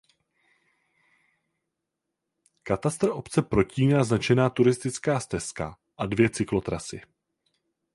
Katastr obce protíná značená turistická stezka a dvě cyklotrasy.